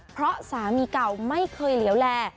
เพราะสามีเก่าไม่เคยเลี้ยวแร่